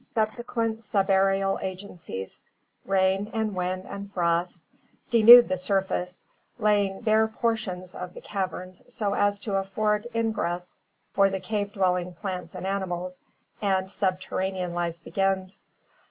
Subsequent subaerial agencies — rain and wind and frost — denude the surface, laying bare portions of the caverns so as to afford in gress for the cave dwelling plants and animals, and subterranean life begins.